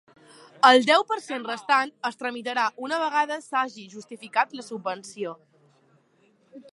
El deu per cent restant es tramitarà una vegada s'hagi justificat la subvenció.